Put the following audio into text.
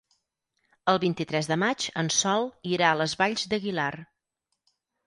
El vint-i-tres de maig en Sol irà a les Valls d'Aguilar.